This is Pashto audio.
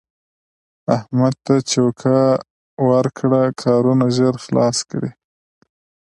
احمد ته چوکه ورکړه چې کارونه ژر خلاص کړي.